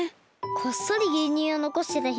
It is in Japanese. こっそりぎゅうにゅうをのこしてた姫。